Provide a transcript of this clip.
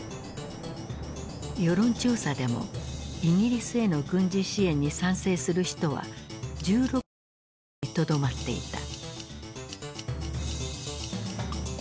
世論調査でもイギリスへの軍事支援に賛成する人は１６％にとどまっていた。